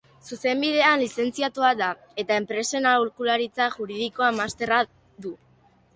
Zuzenbidean lizentziatua da eta Enpresen Aholkularitza Juridikoan masterra du.